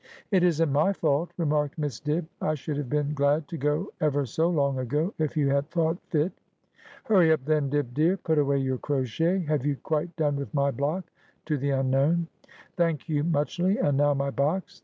' It isn't my fault,' remarked Miss Dibb ;' I should have been glad to go ever so long ago, if you had thought fit.' ' Hurry up, then, Dibb dear. Put away your crochet. Have you quite done with my block ?' to the unknown. ' Thank you muchly. And now my box